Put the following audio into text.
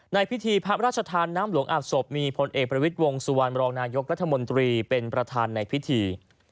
ในพิธีพระราชทานน้ำหลวงอาบศพมีพลเอกประวิทย์วงสุวรรณรองนายกรัฐมนตรีเป็นประธานในพิธี